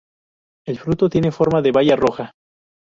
El fruto tiene forma de baya roja.